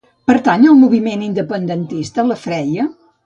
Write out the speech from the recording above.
Pertany al moviment independentista la Freya?